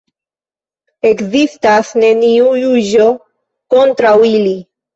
Ekzistas neniu juĝo kontraŭ ili.